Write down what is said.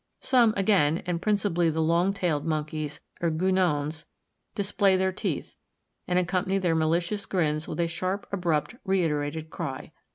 Some again, and principally the long tailed monkeys, or Guenons, display their teeth, and accompany their malicious grins with a sharp, abrupt, reiterated cry."